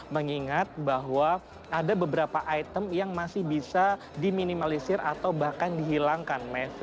mengingat bahwa ada beberapa item yang masih bisa diminimalisir atau bahkan dihilangkan